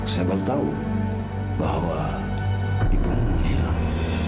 saya baru tahu bahwa ibumu hilang